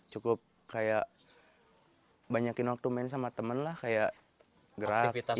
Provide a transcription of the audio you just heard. cukup kayak banyakin waktu main sama temen lah kayak gravitasi